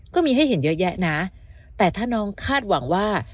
ก็มีให้เห็นเยอะแยะนะแต่ถ้าน้องคาดหวังว่า